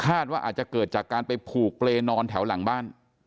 ว่าอาจจะเกิดจากการไปผูกเปรย์นอนแถวหลังบ้าน